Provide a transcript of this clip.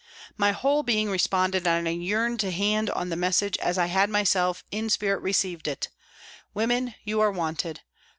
My whole being responded and I yearned to hand on the message as I myself had in spirit received it " Women, you are wanted.